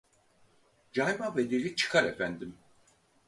Cayma bedeli çıkar efendim.